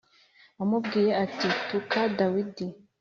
wamubwiye ati Tuka Dawidi